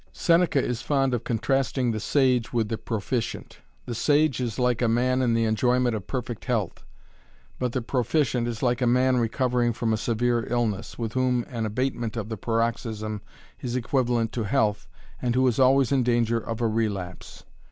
Seneca is fond of contrasting the sage with the proficient. The sage is like a man in the enjoyment of perfect health. But the proficient is like a man recovering from a severe illness, with whom an abatement of the paroxysm is equivalent to health, and who is always in danger of a relapse.